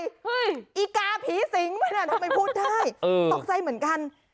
เฮ้ยอีกาผีสิงมันทำไมพูดได้ตกใจเหมือนกัน